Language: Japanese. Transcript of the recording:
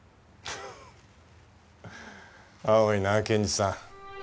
フッ青いなぁ検事さん。